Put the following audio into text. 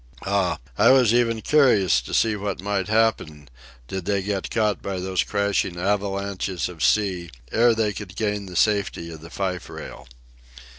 Ah—I was even curious to see what might happen, did they get caught by those crashing avalanches of sea ere they could gain the safety of the fife rail.